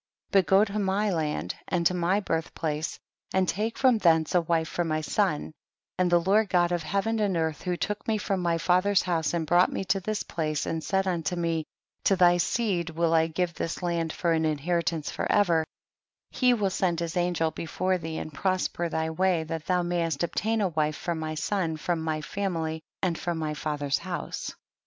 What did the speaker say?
31. But go to my land and to my birth place, and take from thence a wife for my son, and the Lord God of Heaven and earth who took me from my father's house and brought me to this place, and said unto me, to thy seed will I give this land for an inheritance for ever, he will send his angel before thee and prosper thy way, that thou mayest obtain a wife for my son from my family and from my father's house.